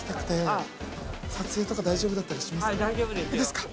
いいですか？